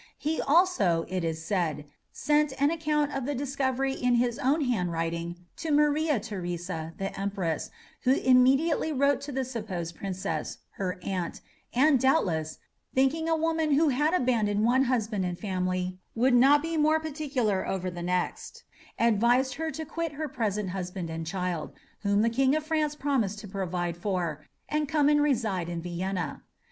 He also, it is said, sent an account of the discovery in his own handwriting to Maria Theresa, the Empress, who immediately wrote to the supposed princess, her aunt, and, doubtless, thinking a woman who had abandoned one husband and family would not be more particular over the next, advised her to quit her present husband and child, whom the King of France promised to provide for, and come and reside in Vienna.